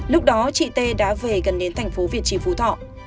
lúc đó chị t đã về gần đến thành phố việt trì phú thọ